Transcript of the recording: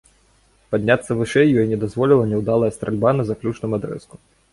Падняцца вышэй ёй не дазволіла няўдалая стральба на заключным адрэзку.